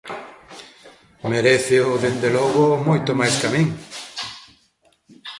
Meréceo, dende logo, moito máis ca min.